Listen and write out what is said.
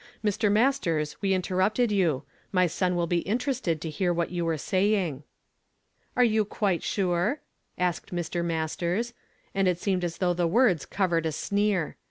Mr. Masters, we interrupted you ; my son will be interested to hear what you were saying." "Are you quite sure?" asked Mr. Masters; and it seemed as though the words covered a sneer.